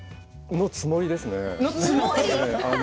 の、つもりです。